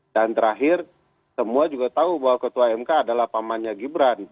dan terakhir semua juga tahu bahwa ketua mk adalah pamannya gibran